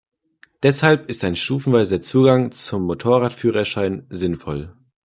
Deshalb ist ein stufenweiser Zugang zum Motorradführerschein sinnvoll.